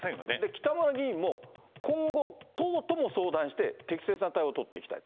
北村議員も、今後、党とも相談して適切な対応を取っていきたい。